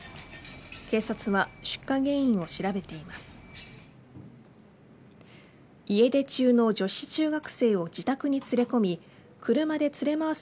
警察は出火原因を調べています。